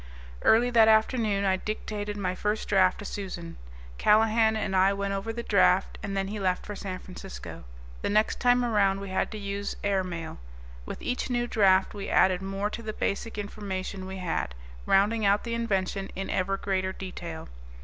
Early that afternoon I dictated my first draft to Susan. Callahan and I went over the draft, and then he left for San Francisco. The next time around we had to use air mail. With each new draft we added more to the basic information we had, rounding out the invention in ever greater detail.